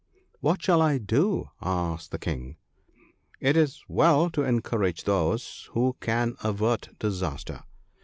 1 What shall I do ?' asked the King. 4 It is well to encourage those who can avert disaster.